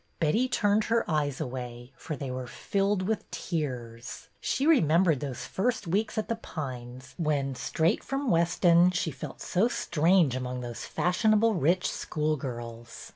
Betty turned her eyes away, for they were filled with tears. She remembered those first weeks at The Pines when, straight from Weston, she felt so strange among those fashionable rich schoolgirls.